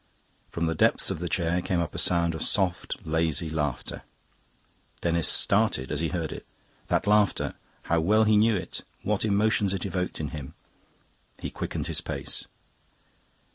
From the depths of the chair came up a sound of soft, lazy laughter. Denis started as he heard it. That laughter how well he knew it! What emotions it evoked in him! He quickened his pace.